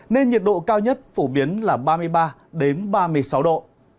nên nhiệt độ cao nhất phổ biến là ba mươi ba ba mươi sáu độ